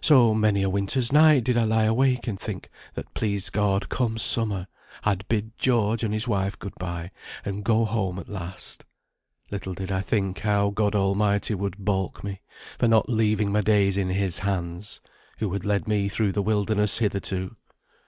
So many a winter's night did I lie awake and think, that please God, come summer, I'd bid George and his wife good bye, and go home at last. Little did I think how God Almighty would baulk me, for not leaving my days in His hands, who had led me through the wilderness hitherto.